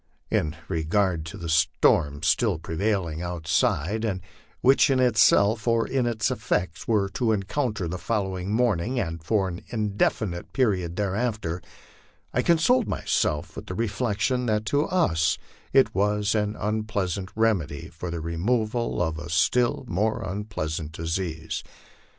In regard to the storm still prevailing outside, and which in itself or its effects we were to encounter the following morning and for an indefinite period thereafter, I consoled myself with the reflection that to us it was as an unpleasant remedy for the removal of a still more unpleasant disease.